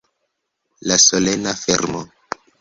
La solena fermo.